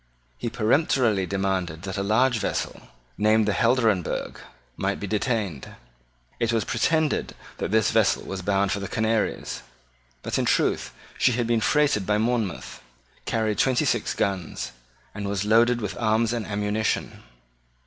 He peremptorily demanded that a large vessel, named the Helderenbergh, might be detained. It was pretended that this vessel was bound for the Canaries. But in truth, she had been freighted by Monmouth, carried twenty six guns, and was loaded with arms and ammunition.